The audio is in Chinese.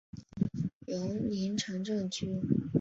尤宁城镇区。